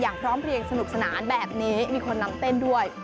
พร้อมเพลียงสนุกสนานแบบนี้มีคนนำเต้นด้วย